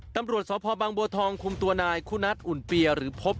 ตำรวจสพบังบัวทองคุมตัวนายคุณัทอุ่นเปียหรือพบ